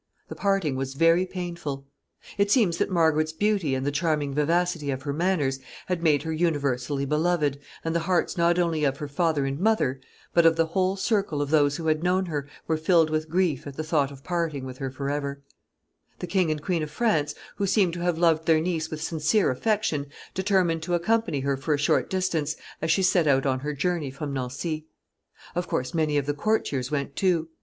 The parting was very painful. It seems that Margaret's beauty and the charming vivacity of her manners had made her universally beloved, and the hearts not only of her father and mother, but of the whole circle of those who had known her, were filled with grief at the thought of parting with her forever. [Sidenote: Setting out of the procession.] The King and Queen of France, who seem to have loved their niece with sincere affection, determined to accompany her for a short distance, as she set out on her journey from Nancy. Of course, many of the courtiers went too.